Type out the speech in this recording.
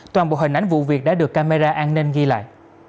toàn bộ hình ảnh vụ việc đã được camera an ninh ghi lại